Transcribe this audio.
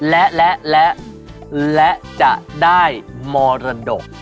และและและและจะได้มรดก